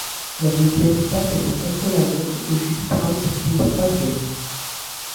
La deuxième étape est un contre-la-montre où Judith Arndt finit troisième.